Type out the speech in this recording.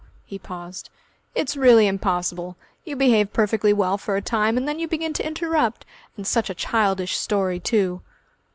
He paused. "It's really impossible. You behave perfectly well for a time, and then you begin to interrupt.... And such a childish story, too!"